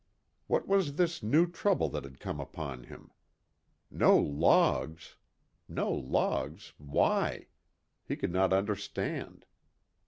What was this new trouble that had come upon him? No logs! No logs! Why? He could not understand.